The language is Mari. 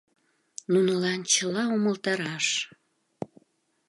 Нунылан чыла умылтараш...